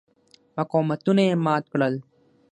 مقاومتونه یې مات کړل.